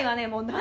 何？